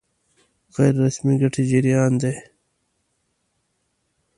غیر رسمي ګټې جريان دي.